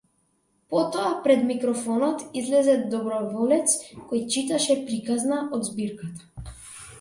Потоа пред микрофонот излезе доброволец кој читаше приказна од збирката.